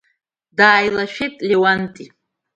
Дааилашәеит Леуанти.